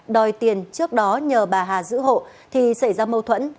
đòi tiền trước đó nhờ bà hà giữ hộ thì xảy ra mâu thuẫn